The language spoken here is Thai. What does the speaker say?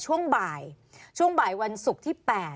ช่วงบ่ายช่วงบ่ายวันศุกร์ที่๘